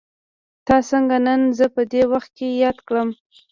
تا څنګه نن زه په دې وخت کې ياد کړم.